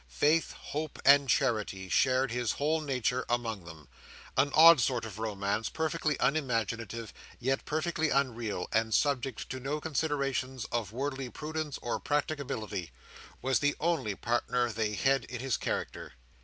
Faith, hope, and charity, shared his whole nature among them. An odd sort of romance, perfectly unimaginative, yet perfectly unreal, and subject to no considerations of worldly prudence or practicability, was the only partner they had in his character.